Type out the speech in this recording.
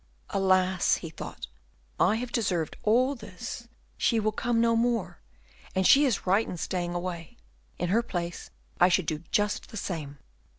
"Alas!" he thought, "I have deserved all this. She will come no more, and she is right in staying away; in her place I should do just the same."